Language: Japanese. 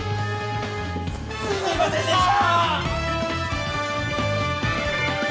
すみませんでした！